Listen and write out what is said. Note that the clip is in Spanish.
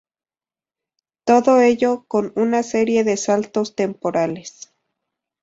Todo ello con una serie de saltos temporales.